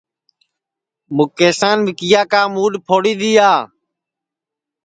مُکیسان وکیا کا مُوڈؔ پھوڑی دؔیا